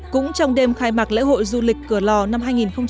cũng trong đêm khai mạc lễ hội du lịch cửa lò năm hai nghìn một mươi tám